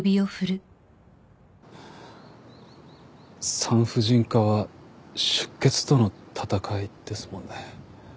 産婦人科は出血との闘いですもんね。